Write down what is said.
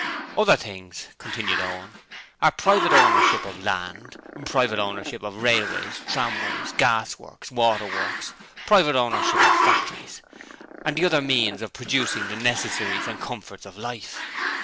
'Other things,' continued Owen, 'are private ownership of land, private ownership of railways, tramways, gasworks, waterworks, private ownership of factories, and the other means of producing the necessaries and comforts of life.